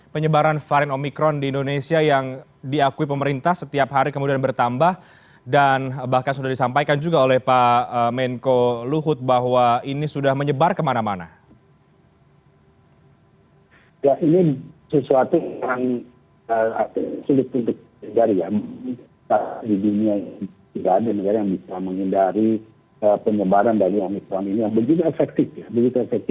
penyebaran dari omikron ini yang begitu efektif dalam menginfeksi